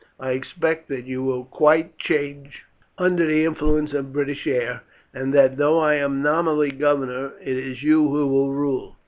I expect that you will quite change under the influence of British air, and that though I am nominally governor it is you who will rule.